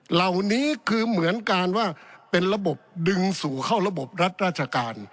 เหล่านี้คือเหมือนการว่าเป็นระบบดึงสู่เข้าระบบรัฐราชการ